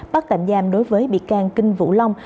bắt tạm giam đối với bị can kinh vũ long